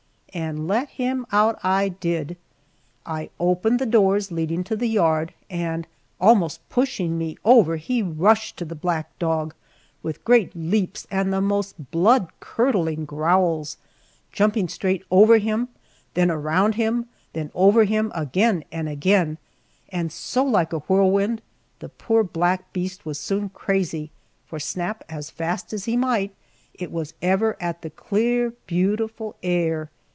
And let him out I did. I opened the doors leading to the yard, and almost pushing me over he rushed to the black dog with great leaps and the most blood curdling growls, jumping straight over him, then around him, then over him again and again, and so like a whirlwind, the poor black beast was soon crazy, for snap as fast as he might, it was ever at the clear, beautiful air.